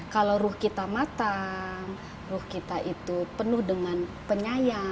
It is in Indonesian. kalau ruh kita matang ruh kita itu penuh dengan penyayang